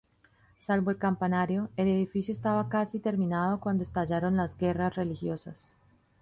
Salvo el campanario, el edificio estaba casi terminado cuando estallaron las guerras religiosas.